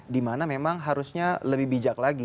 dimana memang harusnya lebih bijak lagi